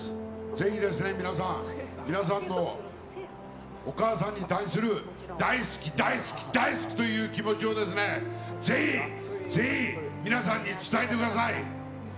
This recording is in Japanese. ぜひ、皆さん皆さんのお母さんに対する大好きという気持ちをぜひ、ぜひ皆さんに伝えてください。